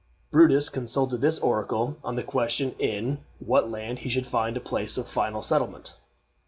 Brutus consulted this oracle on the question in what land he should find a place of final settlement.